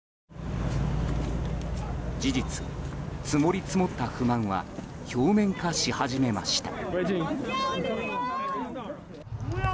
事実、積もり積もった不満は表面化し始めました。